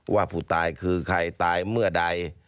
ว่าผู้ตายคือใครตายเมื่อใด